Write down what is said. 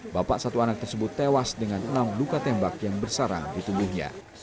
bapak satu anak tersebut tewas dengan enam luka tembak yang bersarang di tubuhnya